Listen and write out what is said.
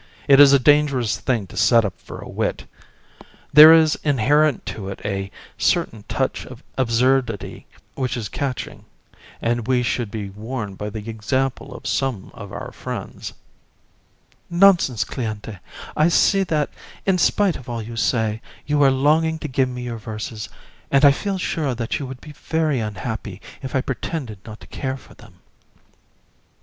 It is a dangerous thing to set up for a wit. There is inherent to it a certain touch of absurdity which is catching, and we should be warned by the example of some of our friends. JU. Nonsense, Cléante; I see that, in spite of all you say, you are longing to give me your verses; and I feel sure that you would be very unhappy if I pretended not to care for them.